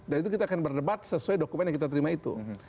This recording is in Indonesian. dan itu kita akan berdebat sesuai dokumen yang kita terima itu